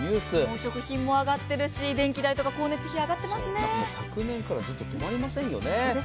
食品も上がってるし、電気代昨年から止まりませんよね。